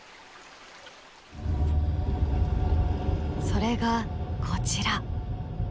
それがこちら。